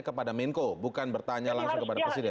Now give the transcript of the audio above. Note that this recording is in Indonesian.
kepada menko bukan bertanya langsung kepada presiden